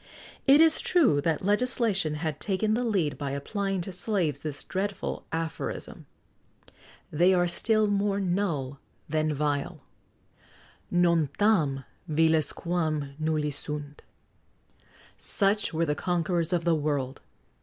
It is true that legislation had taken the lead by applying to slaves this dreadful aphorism: "They are still more null than vile;" Non tam viles quam nulli sunt.[XX 102] Such were the conquerors of the world!